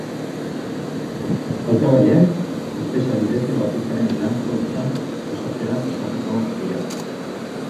Hautagaiak espezialitate bakoitzaren lan-poltsa osatzera pasatuko dira.